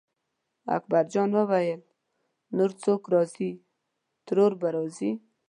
اکبرجان وویل نور څوک راځي ترور به راځي.